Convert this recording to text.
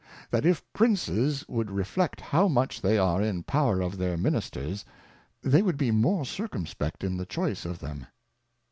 That if Princes would Reflect how much they are in the Power of their Ministers, they would be more circumspect in the Choice of them.